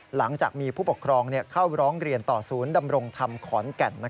หลังจากมีผู้ปกครองเข้าร้องเรียนต่อศูนย์ดำรงธรรมขอนแก่น